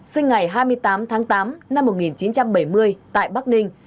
sinh ngày hai mươi tám tháng tám năm một nghìn chín trăm bảy mươi tại bắc ninh